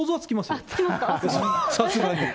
さすがに。